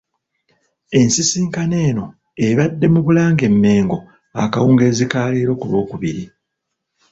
Ensisinkano eno ebadde mu Bulange e Mmengo akawungeezi ka leero ku Lwookubiri.